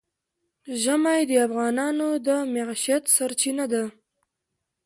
ژمی د افغانانو د معیشت سرچینه ده.